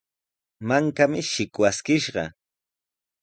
Mankami shikwaskishqa.